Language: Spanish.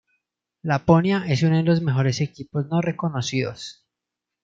Laponia Es uno de los mejores equipos no reconocidos.